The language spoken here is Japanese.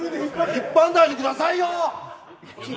引っ張んないでくださいよ。